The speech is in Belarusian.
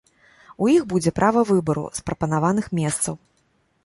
У іх будзе права выбару з прапанаваных месцаў.